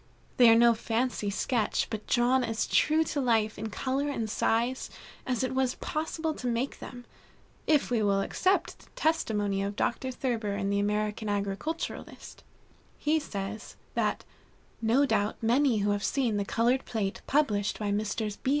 They are no fancy sketch, but drawn as true to life in color and size as it was possible to make them, if we will accept the testimony of Dr. Thurber in the American Agriculturist. He says, that "no doubt many who have seen the colored plate published by Messrs.